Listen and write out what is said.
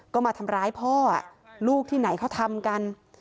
ก็มาทำร้ายพ่อลูกที่ไหนเขาทำกัน